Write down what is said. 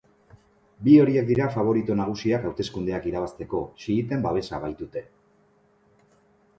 Bi horiek dira faborito nagusiak hauteskundeak irabazteko, xiiten babesa baitute.